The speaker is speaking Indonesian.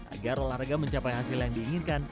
agar olahraga mencapai hasil yang diinginkan